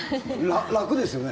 楽ですよね？